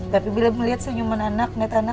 tapi bila melihat senyuman anak net anak sembuh dah